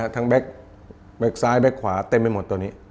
ทั้งเบ็กซ้ายเบ็กขวาเต็มไปหมดตัวนี้